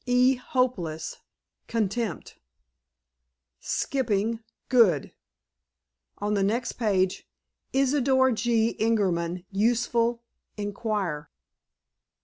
"E. hopeless. Contempt." "Skipping—good." On the next page: "Isidor G. Ingerman. Useful. Inquire."